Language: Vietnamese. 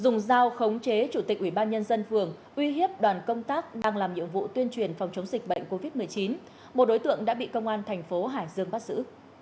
dùng giao khống chế chủ tịch ubnd phường uy hiếp đoàn công tác đang làm nhiệm vụ tuyên truyền phòng chống dịch bệnh covid một mươi chín một đối tượng đã bị công an tp hải dương bắt giữ